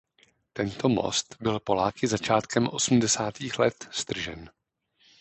Tento most byl Poláky začátkem osmdesátých let stržen.